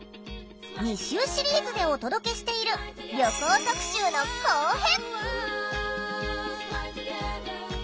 ２週シリーズでお届けしている旅行特集の後編！